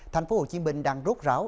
thành phố hồ chí minh đang rút ráo